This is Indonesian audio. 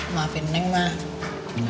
maafin neng mah